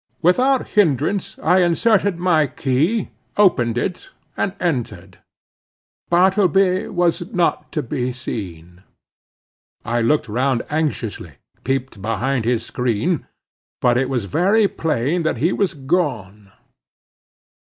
Without hindrance I inserted my key, opened it, and entered. Bartleby was not to be seen. I looked round anxiously, peeped behind his screen; but it was very plain that he was gone.